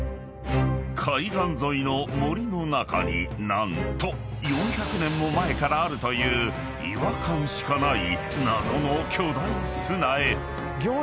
［海岸沿いの森の中に何と４００年も前からあるという違和感しかない］